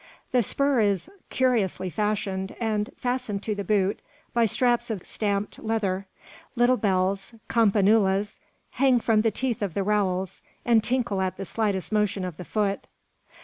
The spur is curiously fashioned and fastened to the boot by straps of stamped leather. Little bells, campanulas, hang from the teeth of the rowels, and tinkle at the slightest motion of the foot!